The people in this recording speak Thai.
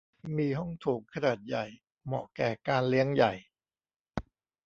มีห้องโถงขนาดใหญ่ เหมาะแก่การเลี้ยงใหญ่